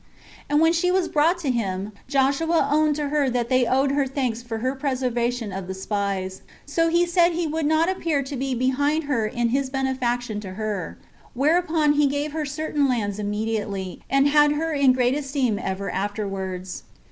And when she was brought to him, Joshua owned to her that they owed her thanks for her preservation of the spies: so he said he would not appear to be behind her in his benefaction to her; whereupon he gave her certain lands immediately, and had her in great esteem ever afterwards.